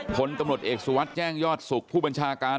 ผลตำรวจเอกสุวัสดิ์แจ้งยอดสุขผู้บัญชาการ